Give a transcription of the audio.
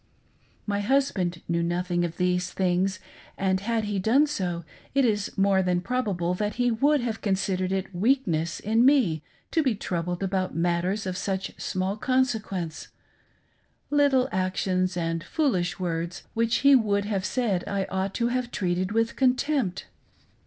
My husband knew nothing, of these things, and, had he done so, ij is more t*han probable that he would have considered it weakness in me to be troubled about matters of such small consequence — little actions and foolish words which he would have said I ought to have treated with contempt.